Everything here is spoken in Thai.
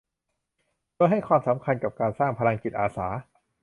โดยให้ความสำคัญกับการสร้างพลังจิตอาสา